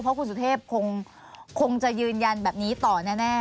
เพราะคุณสุเทพคงจะยืนยันแบบนี้ต่อแน่